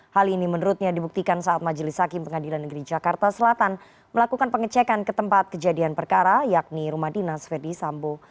hal ini menurutnya dibuktikan saat majelis hakim pengadilan negeri jakarta selatan melakukan pengecekan ke tempat kejadian perkara yakni rumah dinas ferdi sambo